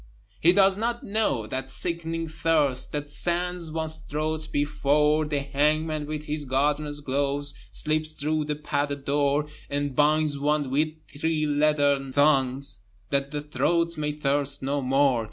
He does not know that sickening thirst That sands one's throat, before The hangman with his gardener's gloves Slips through the padded door, And binds one with three leathern thongs, That the throat may thirst no more.